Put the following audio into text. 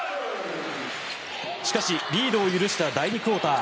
しかし、リードを許した第２クオーター。